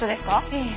ええ。